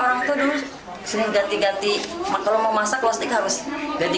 luka sama orang itu dulu sering ganti ganti kalau mau masak kalau sedikit harus ganti ganti